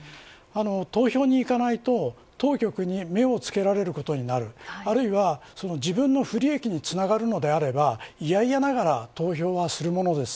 投票に行かないと当局に目をつけられることになるあるいは、自分の不利益につながるのであればいやいやながら投票はするものです。